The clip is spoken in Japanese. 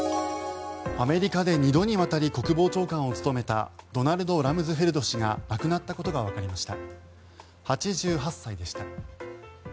アメリカで２度にわたり国防長官を務めたドナルド・ラムズフェルド氏が亡くなったことがわかりました。